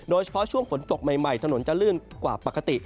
โดยเฉพาะช่วงฝนตกใหม่ถนนจะลื่นกว่าปกติ